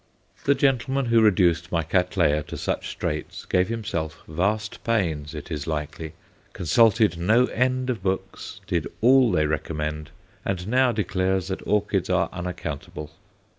The gentleman who reduced my Cattleya to such straits gave himself vast pains, it is likely, consulted no end of books, did all they recommend; and now declares that orchids are unaccountable.